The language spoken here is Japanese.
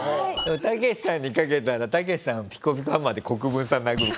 たけしさんにかけたらたけしさんはピコピコハンマーで国分さん殴る。